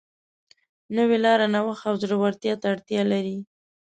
نوې لاره نوښت او زړهورتیا ته اړتیا لري.